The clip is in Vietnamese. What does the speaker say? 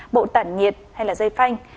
bộ tản nhiệt hay là dây phanh